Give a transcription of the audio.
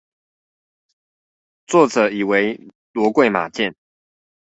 作者以為騾貴馬賤